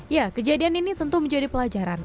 ya kejadian ini tentu menjadi pelajaran